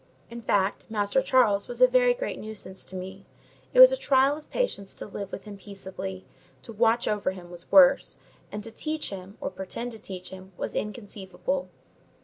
In fact, Master Charles was a very great nuisance to me: it was a trial of patience to live with him peaceably; to watch over him was worse; and to teach him, or pretend to teach him, was inconceivable.